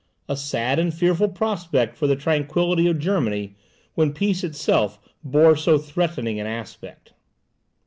A sad and fearful prospect for the tranquillity of Germany, when peace itself bore so threatening an aspect.